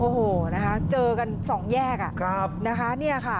โอ้โฮนะคะเจอกันสองแยก